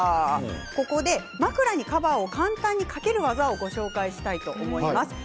ここで枕にカバーを簡単にかける技をご紹介したいと思います。